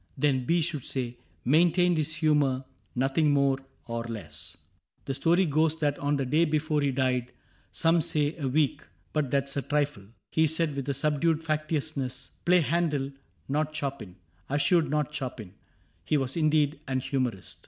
— Then B should say: ^ Maintained his humor : nothing more or less. ^o CAPTAIN CRAIG The story goes that on the day before He died — some say a week, but that 's a trifle — He said, with a subdued facetiousness, " Play Handel, not Chopin ; assuredly not Chopin." '— He was indeed an humorist."